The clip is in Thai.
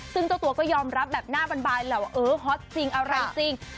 ซึ่งเจ้าตัวก็ยอมรับแบบหน้าบานแหละว่าเออฮอตจริงอะไรจริง